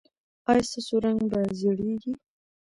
ایا ستاسو رنګ به زیړیږي؟